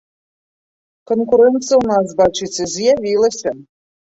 Канкурэнцыя ў нас, бачыце, з'явілася!